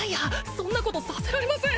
そんなことさせられません！